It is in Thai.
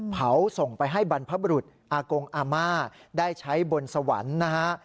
ส่งไปให้บรรพบรุษอากงอาม่าได้ใช้บนสวรรค์นะฮะ